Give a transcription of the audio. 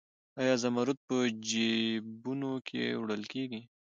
آیا زمرد په جیبونو کې وړل کیږي؟